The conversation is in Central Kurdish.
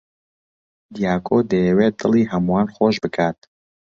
دیاکۆ دەیەوێت دڵی هەمووان خۆش بکات.